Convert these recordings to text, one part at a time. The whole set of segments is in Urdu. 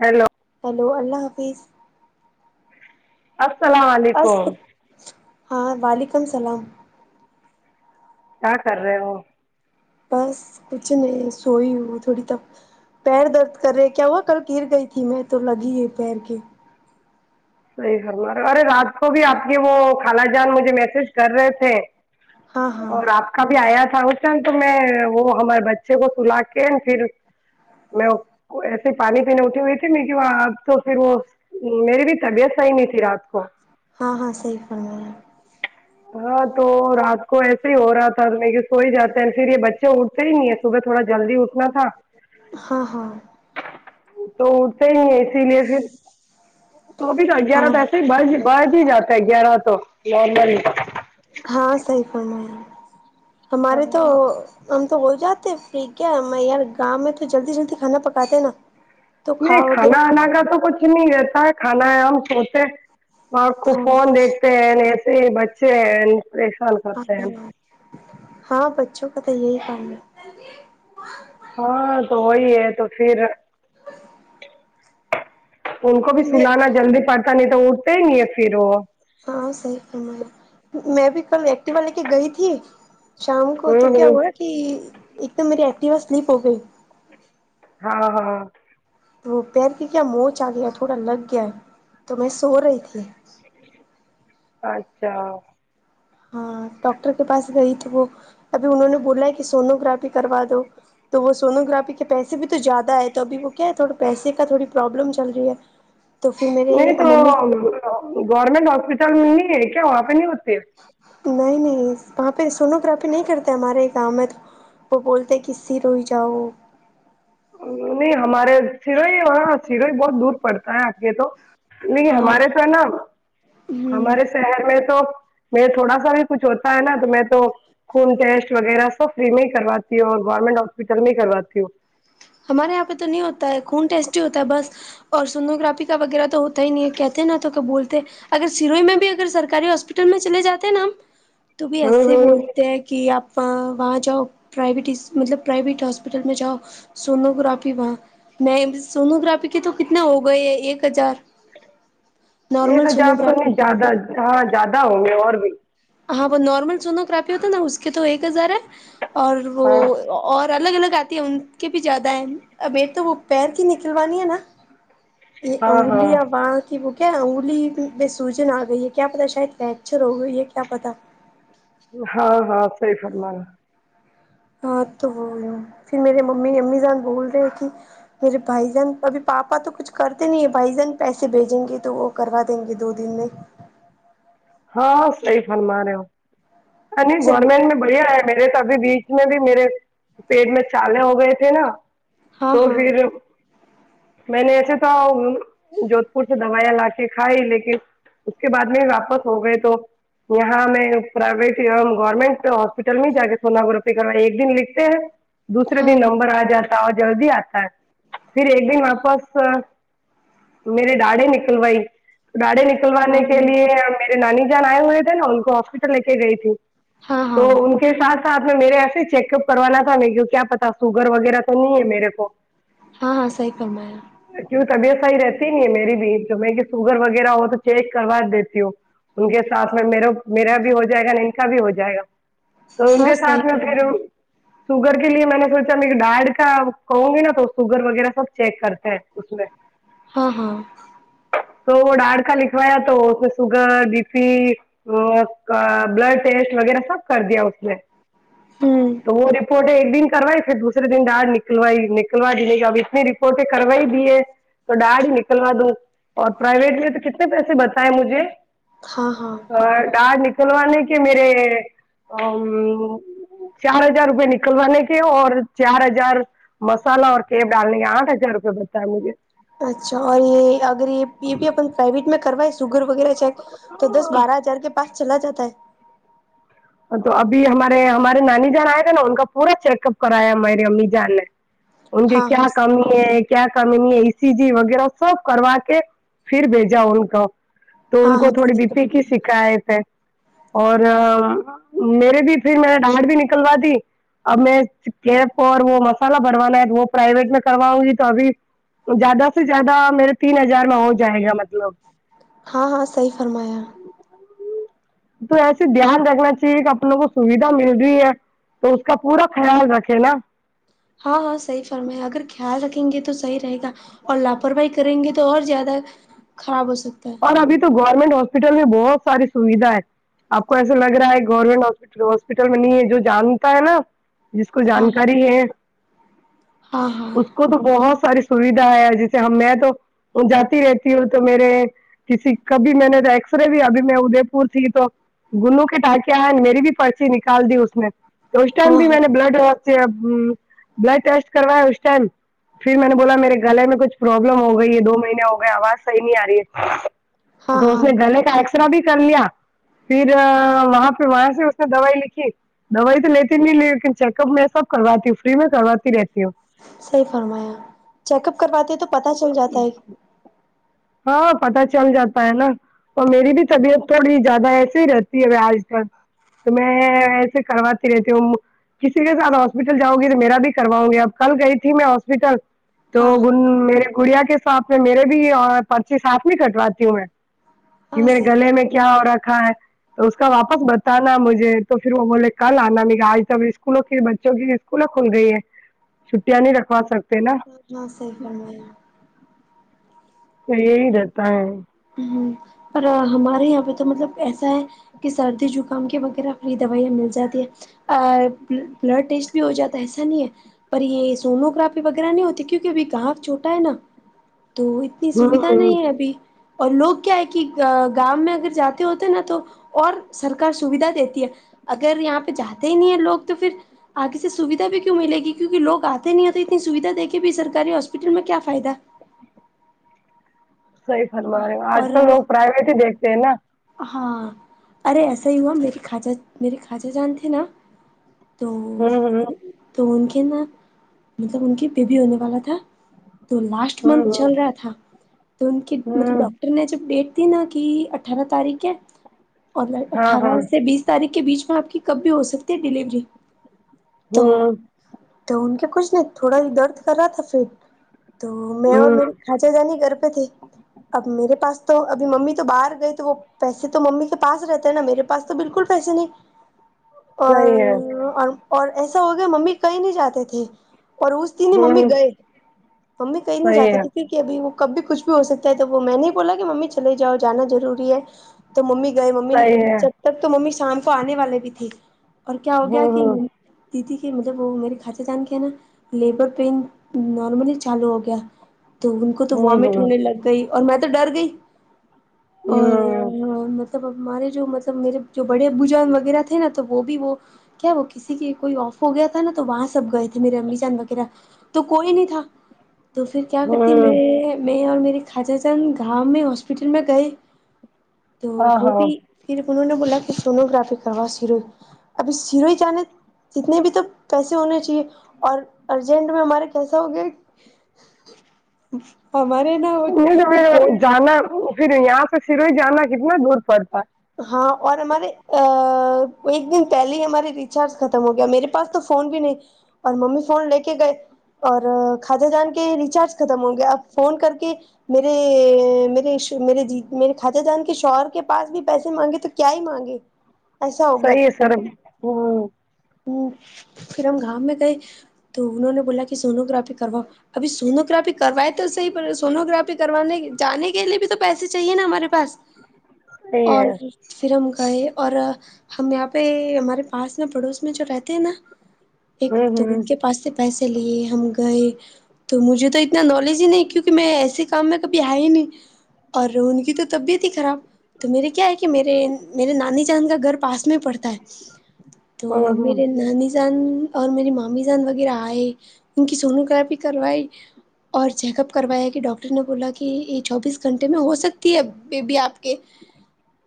ہیلو ہیلو اللہ حافظ السلام بس علیکم ہاں وعلیکم السلام کیا کر رہے وہ بس کچھ نہیں سوئی ہو تھوڑی تب پیر درد کر رہے کیا ہوا کل گر گئی تھی میں تو لگی ہے پیر کے صحیح خم رہے ارے رات کو بھی آپ کے وہ خالا جان مجھے میسج کر رہے تھے ہاں ہاں اور آپ کبھی آیا تھا اس ٹائن تو میں وہ ہمارے بچے کو سلا کے پھر میں ایسے پانی پینے اٹھی ہوئی تھی م وہ اب تو پھر وہ میرری بھی طبیعت صحی نہیں تھی رات کو ہاں ہاں صحیح فرما یا [unintelligible] ہاں تو رات کو ایسے ہی ہو رہا تھا سوئیاتا ہے پھر یہ بچے اٹھتے ہی نہیں ہے صبح تھوڑا جلدی اٹھتے انا تھا ہاں ہاں تو اٹتے ہی ہیں اسی لیے پھر [unintelligible] تو بھیھی ن ہاں گیارہ تو ایسے ہی ب بھ ہی جاتا ہے گیارہ تو لارمل [unintelligible] ہاں صحی فم ہے ہمارے تو ہم تو ہو جاتے پری کیا میں یار گاؤں میں تو جلدی جلدی کھانا پکاتے ہیں نا تو کھا نہیں وغیرہ کھانا آانا کا تو کچھ نہیں رہتا ہے کھانا ہے ہم سوتے آاں آپ کو ہاں فون دیکھتے ہیں ایسے ہی بچے ہیں پریشان کرتے ہیں ہاں ہاں بچوں کا تو یہی کام ہے ہاں تو وہی ہے تو پھر ان کو بھی ہے میں سلانا جلدی پڑتا نہیں تو اٹھتے ہی نہیں ہے پھر وہ ہاں صحیح فما میں بھی کل ایکٹیوا لے کے گئی تھی شام کو تو ہوں کیا ہوں ہوا کہ ایک تو میری ایکٹیوا سلیپ ہو گئی ہاں ہاں وہ پیر کی کیا موچ آ گیا تھوڑا لگ گیا تو میں سو رہی تھی ا [unintelligible] [inaudible] اچھا ہاں ڈاکٹر کے پاس گئی توھی وہ ابھی انہوں نے بولا ہے کہ سونوگرافی کروا دو تو وہ سونو گرافی کے پیسے بھی تو زیادہ ہے تو ابھی وہ کیا ہے تھوا پیسے کا تھوڑی پروابلم چل رہی ہے [unintelligible] [inaudible] تو پھر میرے نہیں تو ممی گورنمنٹ ہاسپٹل میں نہیں ہے کیا وہاں پہ نہیں ہوتے نہیں نہیں وہاں پہ سونوگررافی نہیں کرتے ہمارے یہ گاؤں میں تو وہ بولتے کسسی روئی جاؤ نہیں ہمارے سرئی وہاں سیروئی بہت دور [unintelligible] پڑتا ہے آگے تو نہیں ہاں ہمارے تو ہے نا ہوں ہمارے شہر میں تو میں تھوڑا سا بھی کچھ ہوتا ہے نا تو میں تو خون ٹیسٹ وغیرہ سب فری میں ہی کرواتی ہو اور گورنمنٹ ہاسپٹل میں کرواتی ہووں ہمارے یہاں پہ تو نہیں ہوتا ہے خون ٹیسٹی ہوتا ہے بس اور سنوگررافی کا وغیرہ تو ہوتا ہی نہیں ہے کہتے نا تو کیا بولتے اگر سروئی میں بھی اگر سرکاری ہاسپٹل میں چلے جاتے ہیں نا ہم تو بھی ایسے ہوں ہی ہوں بولتے کہ آپ وہاں جاؤ پرویٹ مطلب پرائیویٹ ہاسپٹل میں جاؤ سونو گگرافی وہاں نہیں سونوگررافی کے تو کتنے ہو گئے ہیں ایک ہزار ایک نارمل ہزار تو سونوگرافی نہیں زیادہ زیادہ ہوں گے اور بھی ہاں وہ نارمل سونو گاپی ہوتا ہے نا اس کے تو ایک ہزار ہے اور وہ ہاں اور الگ الگ آتی ہے ان کے بھی زیادہ ہیں ابیر تو وہ پیر کی نکلوانی ہے نا [unintelligible] یہ ہاں انگوڈیا بع [unintelligible] کہ وہ کیا انگولی میں سوجن آ گئی ہے کیا پتا شاید فریکچر ہو گئی ہے کیا پتا ہاں ہاں صحی فر الال ہے ہاں تو وہول پھر میرے ممی امی سان بول رہے کہ میرے بھائی جان ابھی پاپا تو کچھ کرتے نہیں ہے بھائی جن پیسے بھیجیں گے تو وہ کروا دیں گے دو دن میں ہاں صحی فرما رہے ہو نہیں چلیے گورنمنٹ میں بڑھیا ہے میرے تو ابھی بیچ میں بھی میرے پیٹ میں چالے ہو گئے تھے نا ہاں تو ہاں پھر میں نے ایسے تو جودھ پور سے دوائیاں لا کے کھائی لیکن اس کے بعد میں واپس ہو گئے تو یہاں ہمیں پرائیویٹ گورنمنٹ ہاسپٹل میں ہی جا کے سوونوگررافی کرو ایک دن لکھتے ہیں دوسے ہاں دن ہاں نمبر آ جاتا اور جلدی آتا ہے پھر ایک دن واپس میری داڑی نکل وئی گاڑی ہاں نکلوانے کے لیے میرے نانی جان آئے ہوئے تھے نا ان کو ہاسپٹل لے کے گئی تھی ہاں ہاں تو ہاں ان کے سھ ساتھ میں میرے یہاں سے چیک اپ کروانا تھا م کیا پتا سوگر وغیرہ تو نہیں ہے میرے کو [unintelligible] ہاں ہاں صح کم ہے کیوں طبیعت صحی رہتی نہیں ہے میری بھی جو میں کہ سوگر وغیرہ ہو تو چیک کروا دیتی ہوں ان کے ساتھ میں میر میرا بھی ہو جائے گا ن ان کا بھی ہو جائے گا تو ان ہاں کے صحیح ساتھ میں پھر فرمایا شوگر کے لیے میں نے سوچا م ڈارڈ کا کہوں گی نا تو شوگر وغیرہ سب چیک کرتے ہیں اس میں ہاں ہاں تو وہ ڈاڑ کا لکھوایا تو اس میں سوگر ڈی پی اور بلڈ ٹیسٹ وغیرہ سب کر دیا ہوتا ہوں تو وہ ریپورٹ ایک دن کرائے تھ دوسر دن ر نکلوائی نکلوا جیں کہ اب استنی رپورٹیں کروائی دی ہے تو ڈاڑ ہی نکلوا دوں اور پرائیویٹ لیے تو کتنے پیسے بتائے مجھے ہاں ہاں ڈر نکلوانے کے میرے چار ہزار روپئے نکلوانے کے اور چار ہزار مسالہ اور کیب ڈالنے ہے آٹھ ہزار روپئے بتا ہے مجھے اچھا اور یہ اگر یہ یہ بھی اپ پرائیویٹ میں کروا سوگر وغیرہ چیک تو دس بارہ ہزار کے پاس چلا جاتا ہے تو ابھی ہمارے ہمارے نانی جان آئے گے نا ان کا پورا چیک اپ کرایا ہمے امی جان نے ان کے ہاں کیا ہاں کام کیا کرم ای سی جی وغیرہ سب کروا کے پھر بھیجا ان کو تو ان ہاں کو ہاں تھوڑی صحیح بی پی کی شکایت ہے اور میرے بھی پھر میںا ڈاٹ بھی نکلوا تھی اب میں کیپ اور وہ مسالہ بھروانا ہے وہ پرائیویٹ میں کرواؤں گی تو ابھی زیادہ سے زیادہ میرے تین ہزار میں ہو جائے گا مطلب ہاں ہاں صحیح فرمایا تو ایسے دھیان رکھنا چ اپن کو سویدھا مل رہی ہے تو اس کا پورا خیال رکھے نا ہاں ہاں صحی فرمایا اگر خیال رکھیں گے تو صحیح رہے گا اور لاپرواہ کریں گے تو اور زیادہ خراب ہو سکتا ہے ابھی تو گورنمنٹ ہاسپٹل میں بہت ساری سویدھا ہے آپ کو ایسا لگ رہا ہے گورنمنٹ ہپ ہاسپٹل میں نہیں ہے جو جانتا ہے نا جس کو ہاں جانکاری ہے ہاں ہاں اس کو تو بہت ساری سویدھا ہے جیسے ہم میں تو جاتی رہتی ہوں تو میرے کسی کبھی میں نے ایکس رے بھی ابھی میں ادے پور تھی تو- گلو کے ٹانکے آئے میری بھی پرچی نکال دی اس نے تو اس ہاں ٹائم بھی ہاں میں نے بلڈ- بلڈ ٹیسٹ کر ہے اس ٹم پھر میں نے بولا میرے گلے میں کھ پراببلم ہو گئی ہے دو مہینے ہو گئے آواز صیح نہیں آ رہی ہے- ہاں تو اس ہاں نے گنے کا ایکسرا بھی کر لیا- پھر وہاں پہ وہاں سے اس نے دوائی لکھی- دوائی تو لیتی نہیں لی لیکن چیک اپ میں سب کرواتی ہوں فری میں کرواتی رہتی ہوں- صحیح فرمایا چیک اپ کرواتے تو پتا چل جاتا ہے- ہاں پتاہ چل جاتا ہے نا اور میری بھی طبیعت تھوڑی زیادہ ایسیے ہی رہتی ہے آج- تو میں ایسے کرواتی رہتی ہوں- کسی کے ساتھ ہاسپٹل جاں گی تو میرا بھی کرواؤ گی اب کل گئی تھی میں ہاسپٹل- تو ہاں ہاں ان میرے گڑیا کے ساتھ میں میرے بھی اور- پرچی ساتھ نہیں کٹواتی ہوں میں کہ ہاں میرے گلے میں کیا ہو رکھا ہے- تو اس کا واپس بتانا مجھے تو پھر وہ بولے کل آنا مے آج تب اسکولوں کی بچوں کی- کلا کھل گئی ہے چھٹیاں نہیں رکھوا سکتے نا- ہاں صیح فرمائ تو یہی رہتا ہے- ہ پر ہمارے یہاں پہ تو مطلب ایسا ہے کہ سردی زکام کے وغیرہ فری دوائیاں مل جاتی ہے- بلڈ ٹیسٹ بھی ہو جاتا ہے ایسا نہیں ہے- پر یہ سموگرافی وغیرہ نہیں ہوتی کیونکہ ابھی گاف چھوٹا ہے نا تو- اتنی ہ سویدھا ہ نہیں ہے ابھی اور لوگ کیا ہے کہ گاؤں میں اگر جاتے ہوتے نا تو- اور سرکار سویدھا دیتی ہے اگر یہاں پہ جاتے ہی نہیں ہے لوگ تو پھر- آگے سے سویدھا بھی کیوں ملے گی کیوں کہ لوگ آتے نہیں ہوتے اتنی سویدھا دیکھے بھی سرکاری ہاسپٹل میں کیا فائدہ- صحی فرما رہے آج کل اور لوگ پرائیویٹ ہی دیکھتے ہیں نا- ہاں، ارے ایسا ہی ہوا میری خوجہ میے خوجہ جان تھے نا- تو ہوں تو ان کے نا مطلب ان کی بیبی ہونے والا تھا- تو لاسٹ منتھ ہوں ہوں چل رہا تھا تو ان کے ہوں مطلب ہوں ڈاکٹر- نے جب ڈیٹ تھی نا کہ اٹھارہ تاریخ ہے اور ہاں اٹھارہ ہاں سے بیس تاریخ کے بیچ میں آپ کی کب بھی ہو سکتی ہے ڈلیوری تو- ہوں تو ان کے کچھ نہیں تھوڑا ہی درد کر رہا تھا پھر تو میں اور ہوں میرے- خچے جاانی گرپے تھے- اب میرے پاس تو ابھی ممی تو باہر گئی تو وہ پیسے تو ممی کے پاس رہتے ہیں نا میرے پاس تو بالکل پیسے نہیں صحیح ہے اور- اور ایسا ہو گیا ممی کہیں نہیں جاتے تھے اور اس- ممی ہوں گئے ممی کہیں نہیں صحیح جاتی ہے تھی پھر کہ ابھی وہ کب بھی کچھ بھی ہو سکتا ہے- وہ میں نے بولا کہ ممی چلے جاؤ جانا ضروری ہے تو ممی گئے ممی- صحیح ہے تب تو ممی شام کو آنے والے بھی تھھی اور کیا ہو گیا ہوں کہ- د ت کے مطلب وہ میرے کھچہ جان کے ہے نا- لیبر پین نارملی چالو ہو گیا تو ان کو تو ہوں وامٹ ہوں ہونے لگ- گئی اور میں تو ڈر گئی اور ہوں م- تب ہمارے جو مطلب میرے جو بڑے ابو جان وغیرہ تھے نا تو وہ بھی وہ- کیا وہ کسی کی کوئی آف ہو گیا تھا نا تو وہاں سب گئے تھے میرے امی جان وغیرہ- تو کوئی نہیں تھا تو پھر کیا کرتی ہوں ہوں میں میں اور می- خوجہ چند گاؤں میں ہاسپٹل میں گئے تو ہاں وہ ہاں بھی- پھر انہوں نے بولا کہ سونوگررافی کروا سیروئی ابھی سیروئی جانے- جتنے بھی تو پیسے ہونے چاہیے اور ارجنٹ میں ہمارے کیسا ہو گیا- ہمارے نا نہیں تو پھر وہ جانا پھر یہاں سے سروئی جانا کتنا دور پڑتا ہے- ہاں اور ہمارے ایک دن پہلے ہی ہمارے ریچارج ختم ہو گیا میرے- پاس تو فون بھی نہیں اور ممی فون لے کے گئے اور کھاتا جان کے ریچارج ختم ہوں گے آپ فون کر کے میرے میرے مے میرے خجہ جان کے شوہر کے پاس بھی پیسے مانگے تو کیا ہی مانگے ایسا ہو گیا صحیح ہے سر ہوں ہ پھر ہم گام میں گئے تو انہوں نے بولا کہ سونوگررافی کروا ابھی سونو گرافی کروائے تو صح سوگررافی کروانے جانے کے لیے بھی تو پیسے چاہیے نا ہمارے پاس صحیح اور ہے سرم کا ہے اور ہم یہاں پہ ہمارے پاس نا پڑوس میں جو رہتے ہیں نا ایک د ان ہوں ہوں کے پاس سے پیسے لیے ہم گئے تو مجھے تو اتنا نالج ہی نہیں کیونکہ میں ایسے کام میں کبھی ہے ہی نہیں اور ان کی تو طبیعت ہی خراب تو میرے کیا ہے کہ میرے میرے نانی چاند کا گھر پاس میں پڑتا ہے تو ہوں ہوں میرے نانی سے جان اور میرری مامی جان وغیرہ آئے ان کی سونوگرافی کروائے اور چیک اپ کروایا کہ ڈاکٹر نے بولا کہ یہ چوبیس گھنٹے میں ہو سکتی ہے ا بیبی آپ کے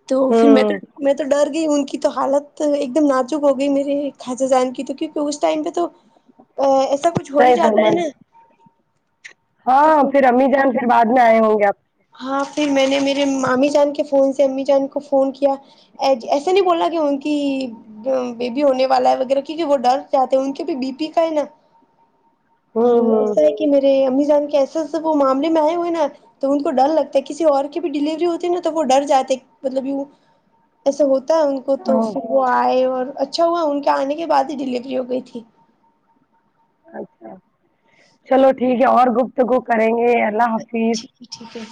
تو پھر میں تو ہوں میں تو ڈر ان کی تو حالت ایک دم ناجک ہو گئی میرے خجہ جان کی تو کیونکہ اس ٹائم پہ تو ا ایسا کچھ ہو ہی صحیح جاتا ہے فرما نا رہے ہاں پھر امی جان پھر بعد میں آئے ہوں گے آپ ہاں پھر میں نے مامی جان کے فون سے امی جان کو فون کیا ایسے نہیں بوللا کی ہوں کہ بیبی ہونے والا ہے وغیرہ کیونکہ وہ ڈر جاتے ہیں ان کے بھی بی پی کا ہے نا [unintelligible] اور ایسا ہے کہ میرے امی جان کے ایسے سب وہ معاملے میں آئے ہوئے ہیں نا تو ان کو ڈر لگتا ہے کسی اور کی بھی ڈلیوری ہوتی نا تو ڈر جاتے مطلب ی ایسا ہوتا ہے ان کو تو ہوں پ ہاں وہ آئے اور اچھا ہوا ان کے آنے کے بعد ہی ڈلیوری ہو گئی تھی اچھا چلو ٹھیک ہے اور گپتگو کریں گے اللہ حافظ جی ٹھیک ہے